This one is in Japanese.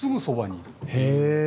へえ。